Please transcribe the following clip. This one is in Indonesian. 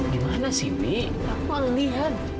di mana sini aku tak boleh lihat